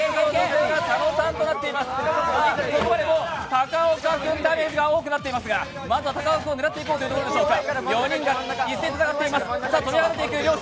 高岡君、ダメージが多くなっていますが高岡君を狙っていくということでしょうか。